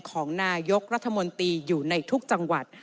ของนายกรัฐมนตรีอยู่ในทุกจังหวัด